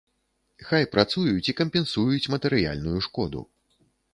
Хай працуюць і кампенсуюць матэрыяльную шкоду.